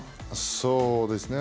そうですね。